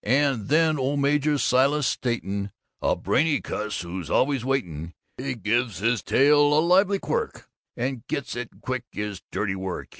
And then old Major Silas Satan, a brainy cuss who's always waitin', he gives his tail a lively quirk, and gets in quick his dirty work.